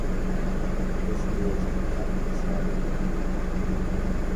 This is Ignite Accelerated.